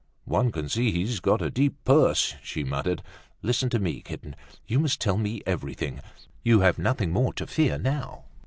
"One can see he's got a deep purse," she muttered. "Listen to me, kitten; you must tell me everything. You have nothing more to fear now."